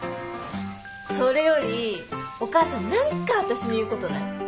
それよりお母さん何か私に言うことない？